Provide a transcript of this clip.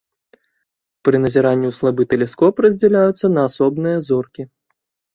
Пры назіранні ў слабы тэлескоп раздзяляюцца на асобныя зоркі.